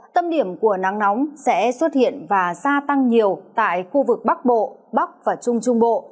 tâm điểm của nắng nóng sẽ xuất hiện và gia tăng nhiều tại khu vực bắc bộ bắc và trung trung bộ